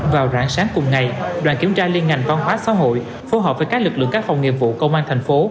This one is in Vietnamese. vào rạng sáng cùng ngày đoàn kiểm tra liên ngành văn hóa xã hội phù hợp với các lực lượng các phòng nghiệp vụ công an thành phố